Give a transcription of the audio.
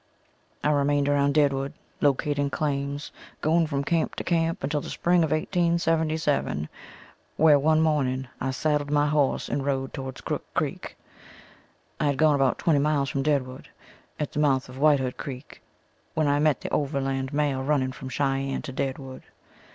I remained around Deadwood locating claims, going from camp to camp until the spring of 1877, where one morning, I saddled my horse and rode towards Crook city. I had gone about twelve miles from Deadwood, at the mouth of Whitewood creek, when I met the overland mail running from Cheyenne to Deadwood.